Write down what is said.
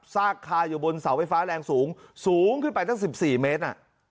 ซากคาอยู่บนเสาไฟฟ้าแรงสูงสูงขึ้นไปตั้ง๑๔เมตร